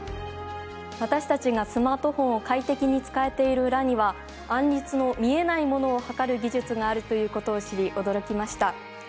私たちがスマートフォンを快適に使えている裏にはアンリツの見えないものをはかる技術があるということを知り驚きました。